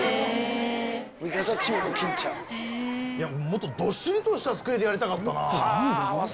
もっとどっしりとした机でやりたかったなぁ。